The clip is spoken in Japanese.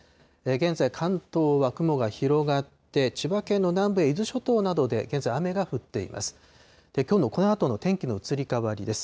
現在、関東は雲が広がって、千葉県の南部や伊豆諸島などで現在、雨が降っています。